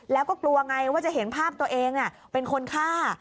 แล้วก็กลัวไงว่าจะเห็นภาพตัวเองเป็นคนฆ่า